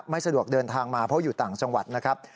ไม่สะดวกเดินทางมาเพราะอยู่ต่างจังหวัดนะครับ